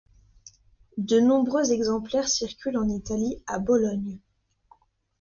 De nombreux exemplaires circulent en Italie, à Bologne.